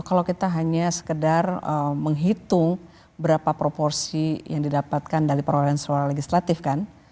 kalau kita hanya sekedar menghitung berapa proporsi yang didapatkan dari perolehan suara legislatif kan